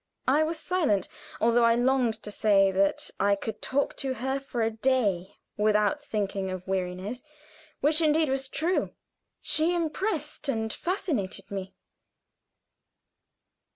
I was silent, although I longed to say that I could talk to her for a day without thinking of weariness, which indeed was true. She impressed and fascinated me.